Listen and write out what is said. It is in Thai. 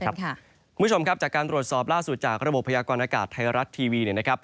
เดี๋ยวเราไปตรวจสอบกันนะครับ